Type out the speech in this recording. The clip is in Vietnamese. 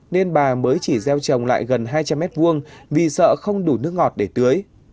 nên bà mới chỉ gieo trồng lại gần hai trăm linh m hai vì sợ không đủ nước ngọt để tưới